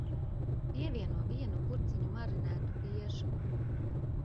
Pievieno vienu burciņu marinētu biešu.